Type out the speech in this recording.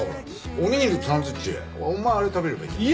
おにぎりとサンドイッチお前あれ食べればいいじゃん。